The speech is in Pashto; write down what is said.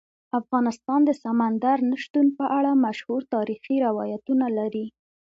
افغانستان د سمندر نه شتون په اړه مشهور تاریخی روایتونه لري.